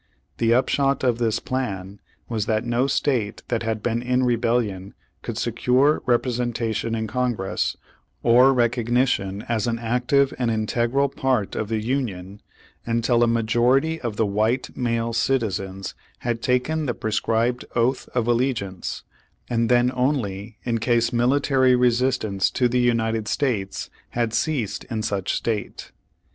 The upshot of this plan was that no state that had been in ' Twenty Years of Congress. By James H. Blaiuu. Vol. II. p. 31). Page One Hundred forty foar rebellion could secure representation in Congress, or recognition as an active and integral part of the Union, until a majority of the white male citizens had taken the prescribed oath of alle giance, and then only in case military resistance to the United States had ceased in such state.